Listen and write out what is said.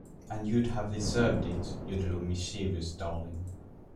And you’d have deserved it, you little mischievous darling!